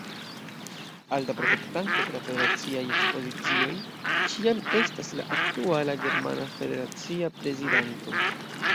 Alta protektanto de la federaciaj ekspozicioj ĉiam estas la aktuala germana federacia prezidanto.